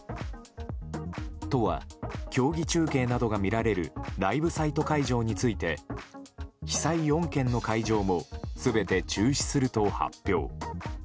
都は競技中継などが見られるライブサイト会場について被災４県の会場も全て中止すると発表。